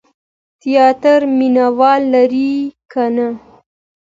تیاتر مینه وال لري که نه؟